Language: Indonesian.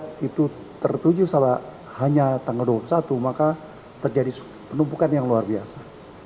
kalau itu tertuju sampai hanya tanggal dua puluh satu maka terjadi penumpukan yang luar biasa